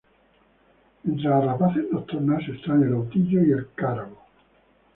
Entre las rapaces nocturnas están el autillo y el cárabo.